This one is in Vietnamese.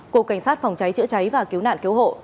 cục cảnh sát phòng cháy chữa cháy và cứu nạn cứu hộ